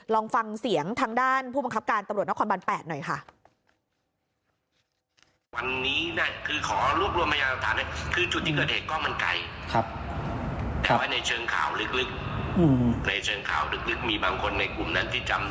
ลองฟังเสียงทางด้านผู้บังคับการตำรวจนครบัน๘หน่อยค่ะ